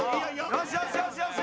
よしよしよしよし。